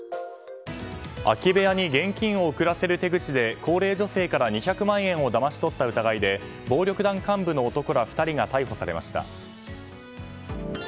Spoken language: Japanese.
空き部屋に現金を送らせる手口で高齢女性から２００万円をだまし取った疑いで暴力団幹部の男ら２人が逮捕されました。